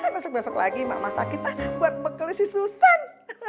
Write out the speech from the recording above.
masuk masuk lagi emak masa kita buat pekeli si susan